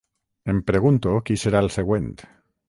Em pregunto qui serà el següent.